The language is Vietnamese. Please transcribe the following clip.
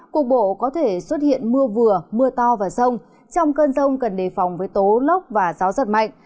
cục bộ có thể xuất hiện mưa vừa mưa to và rông trong cơn rông cần đề phòng với tố lốc và gió giật mạnh